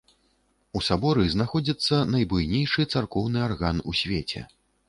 У саборы знаходзіцца найбуйнейшы царкоўны арган у свеце.